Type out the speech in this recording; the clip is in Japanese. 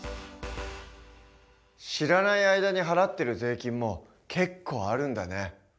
知らない間に払ってる税金も結構あるんだね。